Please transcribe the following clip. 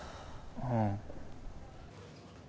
うん。